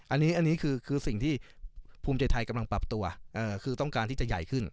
อันนี้คือสิ่งที่ภูมิใจไทยกำลังปรับตัวคือต้องการที่จะใหญ่ขึ้น